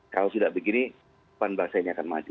kalau tidak begini kapan vaksinnya akan maju